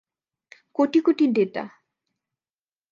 কোটি কোটি ডেটা।